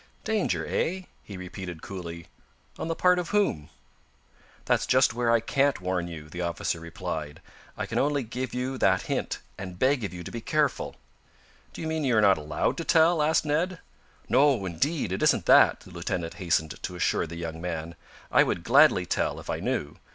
"Danger, eh?" he repeated coolly. "On the part of whom?" "That's just where I can't warn you," the officer replied. "I can only give you that hint, and beg of you to be careful." "Do you mean you are not allowed to tell?" asked Ned. "No, indeed; it isn't that!" the lieutenant hastened to assure the young man. "I would gladly tell, if I knew.